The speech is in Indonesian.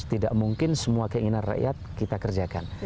tidak mungkin semua keinginan rakyat kita kerjakan